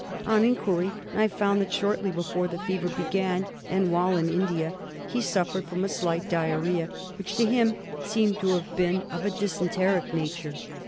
On inquiry, I found that shortly before the fever began, and while in India, he suffered from a slight diarrhoea which to him seemed to have been of a dysenteric nature.